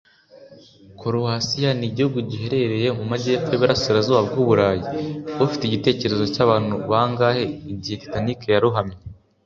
korowasiya ni igihugu giherereye mu majyepfo y'iburasirazuba bw'uburayi. ufite igitekerezo cyabantu bangahe igihe titanic yarohamye